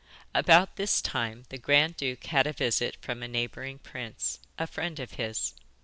About this time the grand duke had a visit from a neighbouring prince, a friend of his.